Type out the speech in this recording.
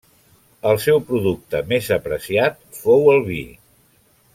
El seu producte més apreciat fou el vi.